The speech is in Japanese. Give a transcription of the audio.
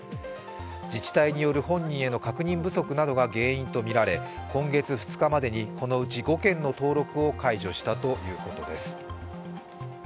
自治体による本人への確認不足などが原因とみられ今月２日までに、このうち５件の登録を解除したということです。